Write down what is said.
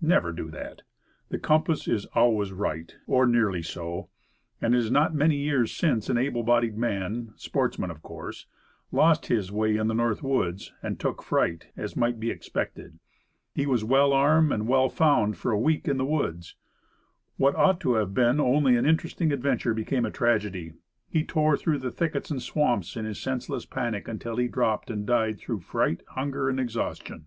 Never do that. The compass is always right, or nearly so. It is not many years since an able bodied man sportsman of course lost his way in the North Woods, and took fright, as might be expected. He was well armed and well found for a week in the woods. What ought to have been only an interesting adventure, became a tragedy. He tore through thickets and swamps in his senseless panic, until he dropped and died through fright, hunger and exhaustion.